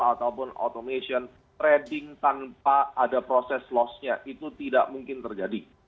ataupun automation trading tanpa ada proses lossnya itu tidak mungkin terjadi